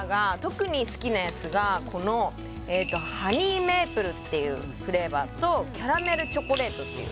このこのハニーメープルっていうフレーバーとキャラメルチョコレートっていう